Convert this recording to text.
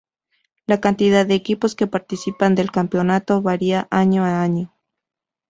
La cantidad de equipos que participan del campeonato varía año a año.